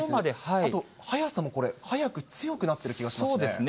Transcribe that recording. あと速さも速く強くなってる気がしますね。